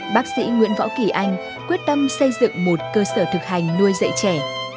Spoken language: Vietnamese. bác sĩ nguyễn võ kỳ anh quyết tâm xây dựng một cơ sở thực hành nuôi dạy trẻ